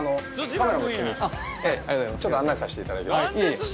ちょっと案内させていただきます。